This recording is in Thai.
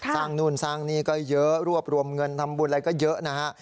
นู่นสร้างนี่ก็เยอะรวบรวมเงินทำบุญอะไรก็เยอะนะฮะ